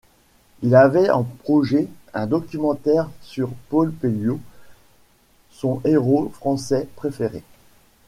Il avait en projet un documentaire sur Paul Pelliot, son héros français préféré.